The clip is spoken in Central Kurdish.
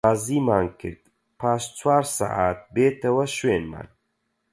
ڕازیمان کرد پاش چوار سەعات بێتەوە شوێنمان